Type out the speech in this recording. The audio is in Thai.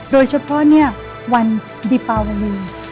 โดยเฉพาะเนี่ยวันดีปาวาลืม